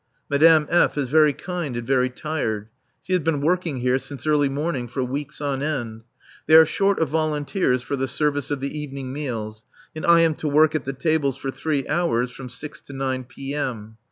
Madame F. is very kind and very tired. She has been working here since early morning for weeks on end. They are short of volunteers for the service of the evening meals, and I am to work at the tables for three hours, from six to nine P.M.